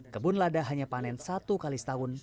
kebun lada hanya panen satu kali setahun